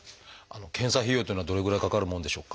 検査費用っていうのはどれぐらいかかるもんでしょうか？